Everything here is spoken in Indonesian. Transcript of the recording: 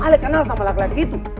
alek kenal sama laki laki itu